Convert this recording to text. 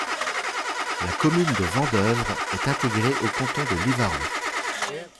La commune de Vendeuvre est intégrée au canton de Livarot.